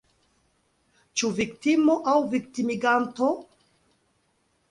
Ĉu viktimo – aŭ viktimiganto?